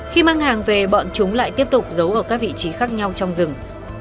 khi mang hàng về bọn chúng lại tiếp tục giấu ở các vị trí khác nhau trong rừng